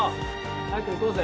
早く行こうぜ。